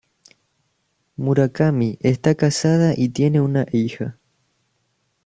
Murakami está casada y tiene una hija.